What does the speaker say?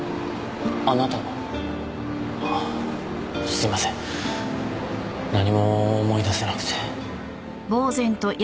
すいません何も思い出せなくて。